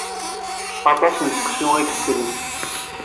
Aṭas n seksu i d-fetlent.